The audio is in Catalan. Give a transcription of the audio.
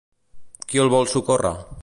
Qui el vol socórrer?